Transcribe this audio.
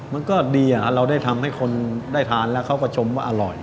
มันก็ดีเราได้ทำให้คนได้ทานแล้วเขาก็ชมว่าอร่อย